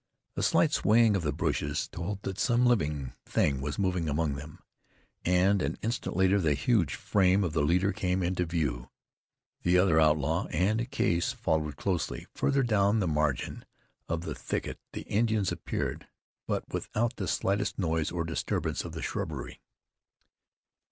A slight swaying of the bushes told that some living thing was moving among them, and an instant later the huge frame of the leader came into view. The other outlaw, and Case, followed closely. Farther down the margin of the thicket the Indians appeared; but without the slightest noise or disturbance of the shrubbery.